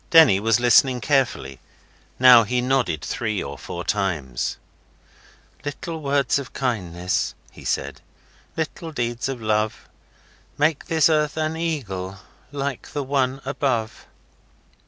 Denny was listening carefully. Now he nodded three or four times. 'Little words of kindness' (he said), 'Little deeds of love, Make this earth an eagle Like the one above.